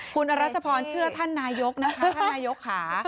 คุณอรัชพรเชื่อท่านนายกนะคะท่านนายกค่ะ